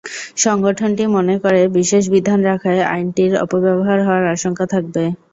সংগঠনটি মনে করে, বিশেষ বিধান রাখায় আইনটির অপব্যবহার হওয়ার আশঙ্কা থাকবে।